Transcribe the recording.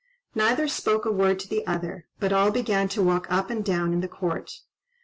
Neither spoke a word to the other, but all began to walk up and down in the court.